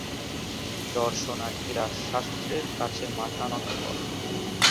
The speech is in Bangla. দর্শনার্থীরা শাস্ত্রের কাছে মাথা নত করে।